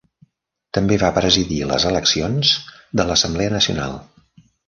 També va presidir les eleccions de l'Assemblea Nacional.